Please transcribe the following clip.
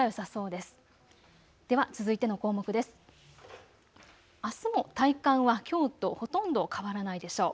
あすも体感はきょうとほとんど変わらないでしょう。